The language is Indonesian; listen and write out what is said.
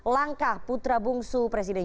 langkah putra bungsu presiden